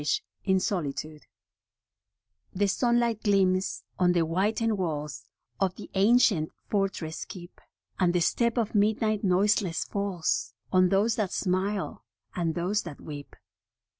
* HE sunlight gleams on the whitened walls Of the ancient fortress keep, And the step of midnight noiseless falls On those that smile and those that weep.